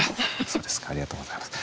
そうですかありがとうございます。